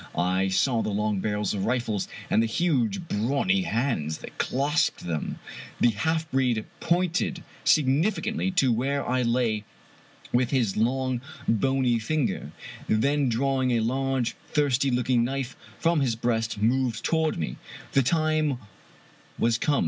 I saw the long barrels of rifles, and the huge brawny hands that clasped them. The half breed pointed significantly to where I lay with his long, bony finger ; then, drawing a large, thirsty looking knife from his breast, moved toward me. The time was come.